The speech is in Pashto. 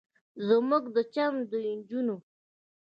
زموږ د چم د نجونو